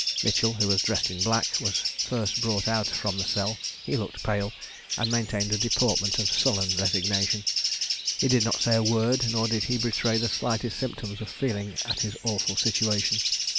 Mitchell, who was dressed in black, was first brought out from the cell; he looked pale, and maintained a deportment of sullen resignation; he did not say a word, nor did he betray the slightest symptoms of feeling at his awful situation.